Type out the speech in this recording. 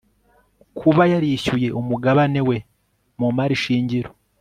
kuba yarishyuye umugabane we mu mari shingiro